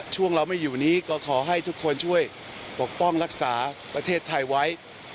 เราไม่อยู่นี้ก็ขอให้ทุกคนช่วยปกป้องรักษาประเทศไทยไว้